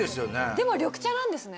でも緑茶なんですね